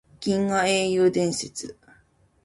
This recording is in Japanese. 銀河英雄伝説